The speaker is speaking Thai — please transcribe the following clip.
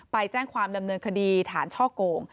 ไปแจ้งความดำเนินคดีฐานช่อโกง